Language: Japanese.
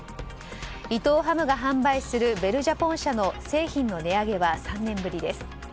伊藤ハムが販売するベルジャポン社の製品の値上げは３年ぶりです。